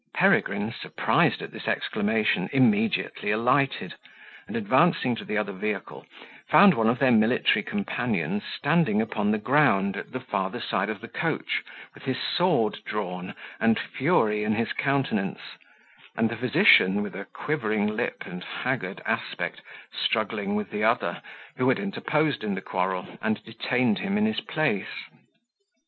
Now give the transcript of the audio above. Peregrine, surprised at this exclamation, immediately alighted, and, advancing to the other vehicle, found one of their military companions standing upon the ground, at the farther side of the coach, with his sword drawn, and fury in his countenance; and the physician, with a quivering lip, and haggard aspect, struggling with the other, who had interposed in the quarrel, and detained him in his place.